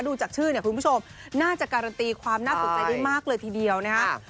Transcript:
ดูจากชื่อเนี่ยคุณผู้ชมน่าจะการันตีความน่าสนใจได้มากเลยทีเดียวนะครับ